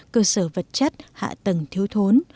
cơ sở vật chất hạ tầng thiếu thốn